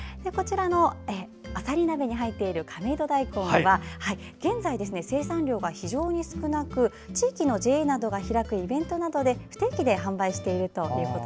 あさり鍋に入っている亀戸だいこんは現在、生産量が非常に少なく地域のＪＡなどが開くイベントなどで不定期で販売しています。